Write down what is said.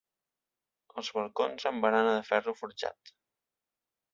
Els balcons amb barana de ferro forjat.